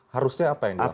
harusnya apa yang dilakukan